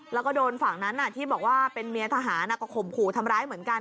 แล้วก็โดนฝั่งนั้นที่บอกว่าเป็นเมียทหารก็ข่มขู่ทำร้ายเหมือนกัน